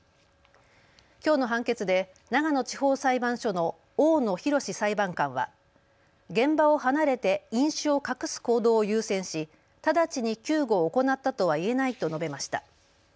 きょうの判決で長野地方裁判所の大野洋裁判官は現場を離れて飲酒を隠す行動を優先し、直ちに救護を行ったとはいえないと述べました。